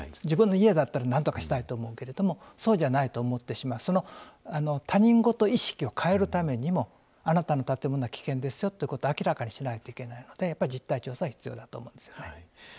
自分の家だったらなんとかしたいと思うけれどもそうじゃないと思ってしまうその他人事意識を変えるためにもあなたの建物は危険ですよということを明らかにしないといけないので実態調査は必要だと思うんですよね。